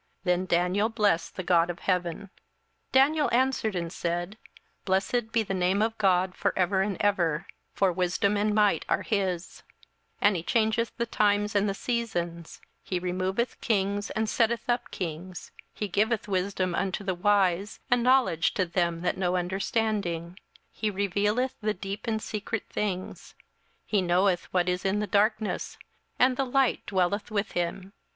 Then Daniel blessed the God of heaven. 27:002:020 Daniel answered and said, Blessed be the name of God for ever and ever: for wisdom and might are his: 27:002:021 And he changeth the times and the seasons: he removeth kings, and setteth up kings: he giveth wisdom unto the wise, and knowledge to them that know understanding: 27:002:022 He revealeth the deep and secret things: he knoweth what is in the darkness, and the light dwelleth with him.